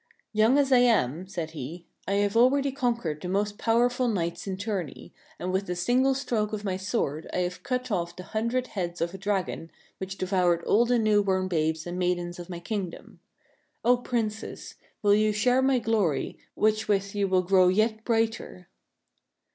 '•Young as I am," said he, " I have already conquered the most powerful knights in tourney, and with a single stroke of my sword I have cut off the hundred heads of a dragon which devoured all the new born babes and maidens of my kingdom. 0 Princess, will you share my glory, which with you will grow yet brighter